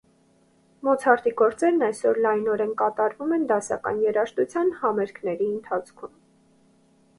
Մոցարտի գործերն այսօր լայնորեն կատարվում են դասական երաժշտության համերգների ընթացքում։